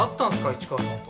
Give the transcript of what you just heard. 市川さんと。